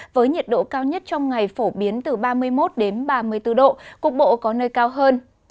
với nhiệt độ cao nhất trong ngày phổ biến từ ba mươi một đến ba mươi bốn độ cục bộ có nơi cao hơn